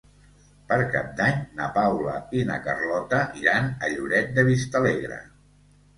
Per Cap d'Any na Paula i na Carlota iran a Lloret de Vistalegre.